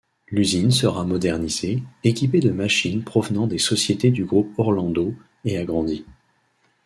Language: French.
L'usine sera modernisée, équipée de machines provenant des sociétés du groupe Orlando, et agrandie.